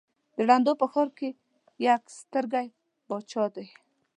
د ړندو په ښآر کې يک سترگى باچا دى.